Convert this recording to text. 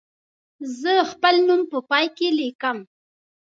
زه خپل نوم په پای کې لیکم.